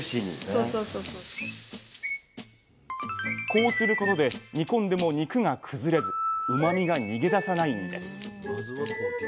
こうすることで煮込んでも肉が崩れずうまみが逃げ出さないんです。